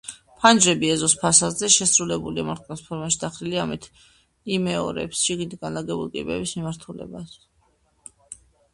ფანჯრები ეზოს ფასადზე, შესრულებული მართკუთხედის ფორმაში, დახრილია, ამით იმეორებს შენობის შიგნით განლაგებულ კიბეების მიმართულებას.